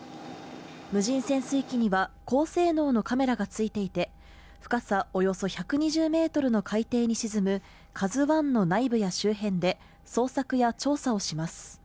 無人潜水機には高性能のカメラが付いていて、深さおよそ１２０ｍの海底に沈む「ＫＡＺＵⅠ」の内部や周辺で捜索や調査をします。